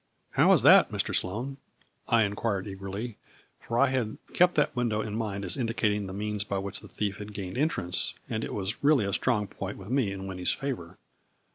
" How is that, Mr. Sloane ?" I inquired eagerly, for I had kept that window in mind as indicating the means by which the thief had gained entrance, and it was really a strong point with me in Winnie's favor.